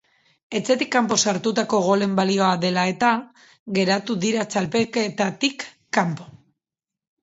Etxetik kanpo sartutako golen balioa dela eta geratu dira txapelketatik kanpo.